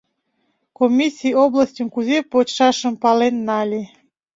Комиссий областьым кузе почшашым пален нале.